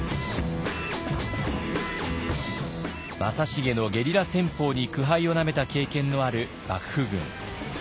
正成のゲリラ戦法に苦杯をなめた経験のある幕府軍。